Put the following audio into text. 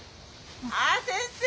ああ先生！